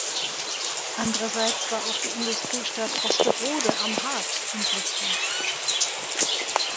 Andererseits war auch die Industriestadt Osterode am Harz im Blickpunkt.